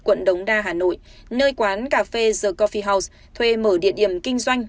quận đống đa hà nội nơi quán cà phê the cophie house thuê mở địa điểm kinh doanh